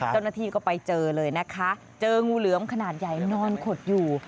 เจ้าหน้าที่ก็ไปเจอเลยนะคะเจองูเหลือมขนาดใหญ่นอนขดอยู่